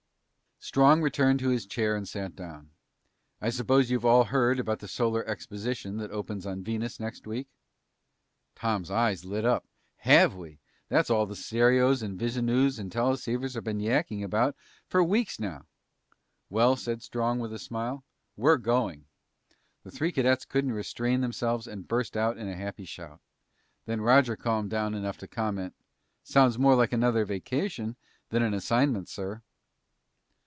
Strong returned to his chair and sat down. "I suppose you've all heard about the Solar Exposition that opens on Venus next week?" Tom's eyes lit up. "Have we! That's all the stereos and visunews and teleceivers have been yacking about for weeks now." "Well," said Strong with a smile, "we're going!" The three cadets couldn't restrain themselves and burst out in a happy shout. Then Roger calmed down enough to comment, "Sounds more like another vacation than an assignment, sir."